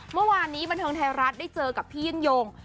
เมื่อวานนี้บันเทิงไทยรัฐได้เจอกับพี่ยิ่งยง